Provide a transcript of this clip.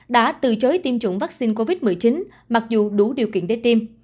đã từ chối tiêm chủng vaccine covid một mươi chín mặc dù đủ điều kiện để tiêm